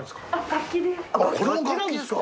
楽器なんですか？